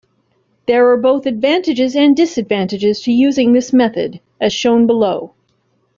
There are both advantages and disadvantages to using this method, as shown below.